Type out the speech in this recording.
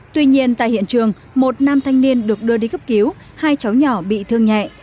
tuy nhiên tại hiện trường một nam thanh niên được đưa đi cấp cứu hai cháu nhỏ bị thương nhẹ